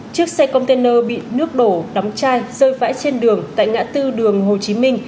chiếc xe container bị nước đổ đóng chai rơi vãi trên đường tại ngã tư đường hồ chí minh